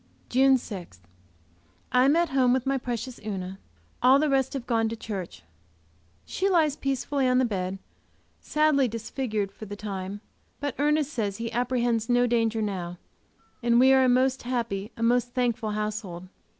JUNE 6. I am at home with my precious Una, all the rest having gone to church. She lies peacefully on the bed, sadly disfigured, for the time, but Ernest says he apprehends no danger now, and we are a most happy, a most thankful household.